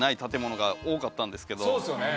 そうですよね。